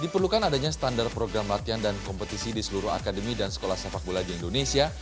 diperlukan adanya standar program latihan dan kompetisi di seluruh akademi dan sekolah sepak bola di indonesia